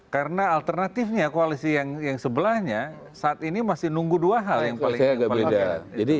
karena alternatifnya koalisi yang sebelahnya saat ini masih nunggu dua hal yang paling berbeda